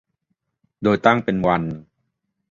โดยตั้งเป็นวัน